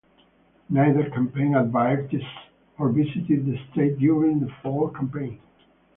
Neither campaign advertised or visited the state during the fall campaign.